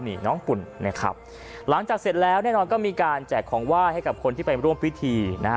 นี่น้องปุ่นนะครับหลังจากเสร็จแล้วแน่นอนก็มีการแจกของไหว้ให้กับคนที่ไปร่วมพิธีนะฮะ